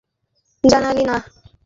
আর আমাকেই জানালি না?